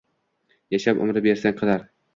Yashab, umri basar qiling.